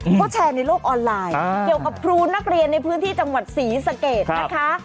เขาแชร์ในโลกออนไลน์เกี่ยวกับครูนักเรียนในพื้นที่จังหวัดศรีสะเกดนะคะ